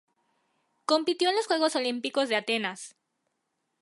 Compitió en los Juegos Olímpicos de Atenas.